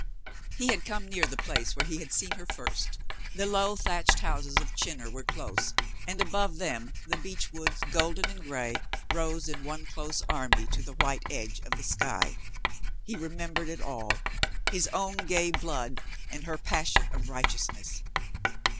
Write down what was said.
He had come near the place where he had seen her first. The low thatched houses of Chinnor were COLONEL STOW KNOWS HIMSELF 459 close and above them the beech woods, golden and gray, rose in one close army to the white edge of the sky. He remembered it all. His own gay blood and her passion of righteousness.